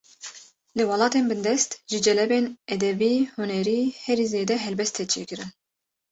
Li welatên bindest, ji celebên edebî-hunerî herî zêde helbest tê çêkirin